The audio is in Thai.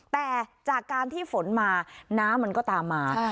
แต่จากการที่ฝนมาน้ำมันก็ตามมา